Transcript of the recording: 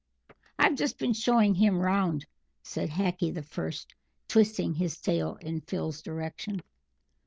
"I've just been showing him round," said Hackee the First, twisting his tail in Phil's direction.